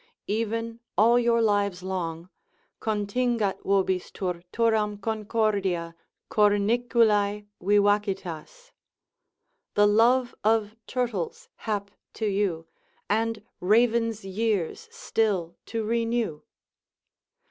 Even all your lives long, Contingat vobis turturum concordia, Corniculae vivacitas——— The love of turtles hap to you, And ravens' years still to renew.